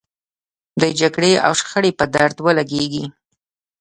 د جګړې او شخړې په درد ولګېږي.